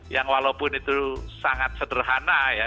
yang walaupun itu sangat sederhana ya